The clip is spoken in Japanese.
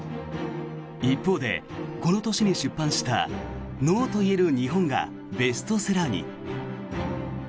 一方でこの年に出版した「“ＮＯ”と言える日本」がベストセラーに。